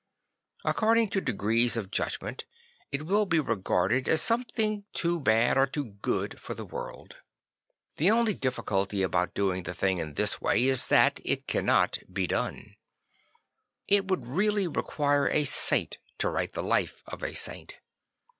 According to degrees of judgment, it will be regarded as something too bad or too good for the world. The only difficulty about doing the thing in this way is that it cannot be done. It would really require a saint to write the life of a saint.